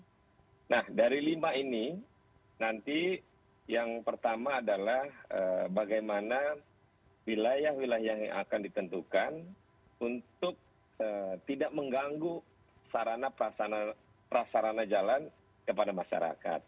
jadi yang pertama ini nanti yang pertama adalah bagaimana wilayah wilayah yang akan ditentukan untuk tidak mengganggu sarana prasarana jalan kepada masyarakat